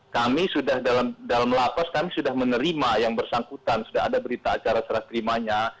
kami sudah dalam lapas kami sudah menerima yang bersangkutan sudah ada berita acara serah terimanya